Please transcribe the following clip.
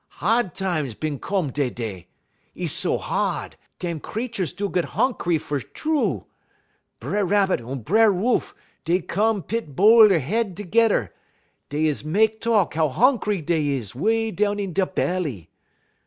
Hard times bin come dey dey. 'E so hard, dem creeturs do git honkry fer true. B'er Rabbit un B'er Wolf dey come pit bote 'e head tergerrer; dey is mek talk how honkry dey is 'way down in da belly.